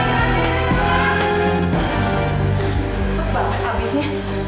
peluk banget habisnya